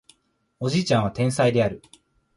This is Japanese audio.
おじいちゃんは天才である